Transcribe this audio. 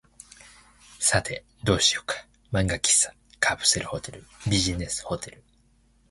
さて、どうしようか。漫画喫茶、カプセルホテル、ビジネスホテル、